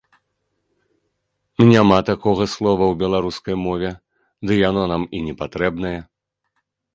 Няма такога слова ў беларускай мове, ды яно нам і непатрэбнае.